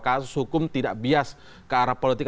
kasus hukum tidak bias ke arah politik